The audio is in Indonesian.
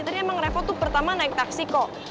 tadi emang repot tuh pertama naik taksi kok